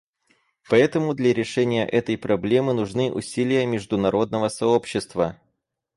Поэтому для решения этой проблемы нужны усилия международного сообщества.